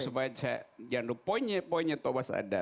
saya jangan lupa poinnya poinnya tobas ada